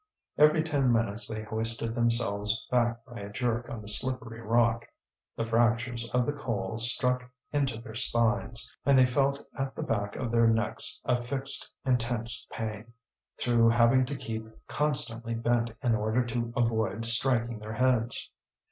Every ten minutes they hoisted themselves back by a jerk on the slippery rock. The fractures of the coal struck into their spines, and they felt at the back of their necks a fixed intense pain, through having to keep constantly bent in order to avoid striking their heads.